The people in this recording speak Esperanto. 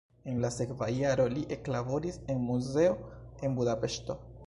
En la sekva jaro li eklaboris en muzeo en Budapeŝto.